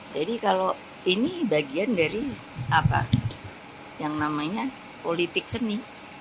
jadi kalau ini bagian dari apa yang namanya politik seni